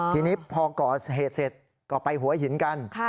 ทีนี้พอก่อเหตุเสร็จก็ไปหัวหินกัน